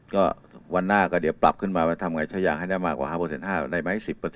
ก็วันหน้าก็เดี๋ยวปรับขึ้นมาว่าทำไงใช้ยางให้ได้มากกว่า๕๕ได้ไหม๑๐